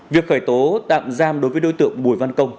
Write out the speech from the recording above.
việc khởi tố tạm giam đối với đối tượng bùi văn công